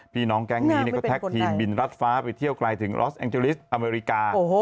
พี่น้องแก๊งนี้ก็แท็กทีมบินรัดฟ้าไปเที่ยวไกลถึงรอสแองเจลิสอเมริกา